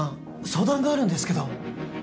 相談があるんですけど